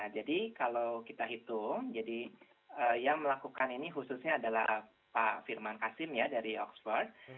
jadi kalau kita hitung yang melakukan ini khususnya adalah pak firman qasim dari oxford